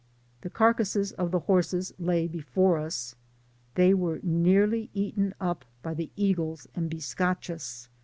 The carcasses of the horses lay before us —• they were nearly eaten up by the eagles and bisca* chos.